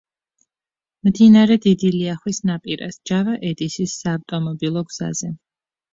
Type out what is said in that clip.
მდინარე დიდი ლიახვის ნაპირას, ჯავა–ედისის საავტომობილო გზაზე.